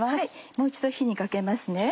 もう一度火にかけますね。